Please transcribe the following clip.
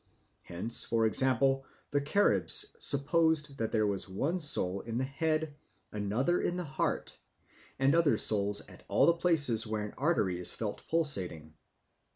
Hence, for example, the Caribs supposed that there was one soul in the head, another in the heart, and other souls at all the places where an artery is felt pulsating.